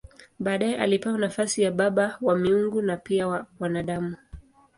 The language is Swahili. Baadaye alipewa nafasi ya baba wa miungu na pia wa wanadamu.